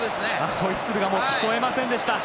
ホイッスルが聞こえませんでした。